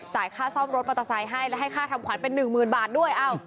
ค่าซ่อมรถมอเตอร์ไซค์ให้และให้ค่าทำขวัญเป็นหนึ่งหมื่นบาทด้วย